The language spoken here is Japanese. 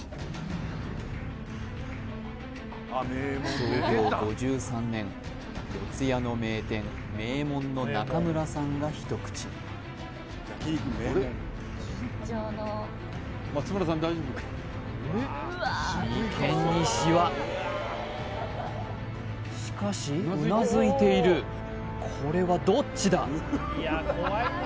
創業５３年四谷の名店・名門の中村さんが一口眉間にシワしかしうなずいているこれはどっちだ？